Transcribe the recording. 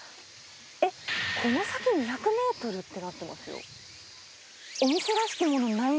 えっ、この先２００メートルってなってますよ。